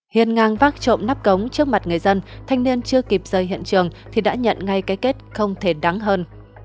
hiền ngang vác trộm nắp cống trước mặt người dân thanh niên chưa kịp rời hiện trường thì đã nhận ngay cái kết không thể đáng hơn